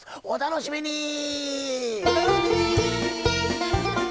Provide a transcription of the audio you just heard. お楽しみに！